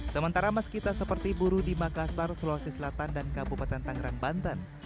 sementara meskipun seperti buruh di makassar sulawesi selatan dan kabupaten tanggerang banten